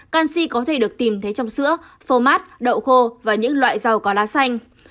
canxi có thể được tìm thấy trong sữa phô mát đậu khô và những loại rau có lá xanh